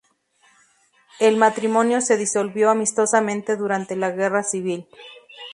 El matrimonio se disolvió amistosamente durante la Guerra Civil.